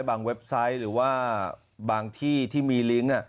เว็บไซต์หรือว่าบางที่ที่มีลิงก์